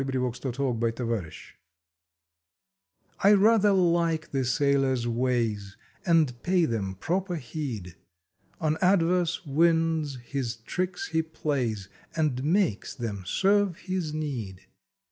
September Thirteenth THE SAILOR T RATHER like the Sailor s ways, And pay them proper heed. On adverse winds his tricks he piays, And makes them serve his need!